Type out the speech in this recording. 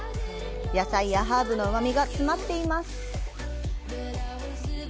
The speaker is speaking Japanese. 野菜やハーブのうまみが詰まっています。